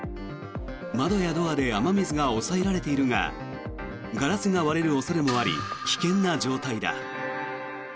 窓やドアで雨水が押さえられているがガラスが割れる恐れもあり危険な状態だ。